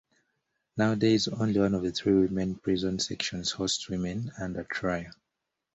Nowadays only one of the three women prison section hosts women under trial.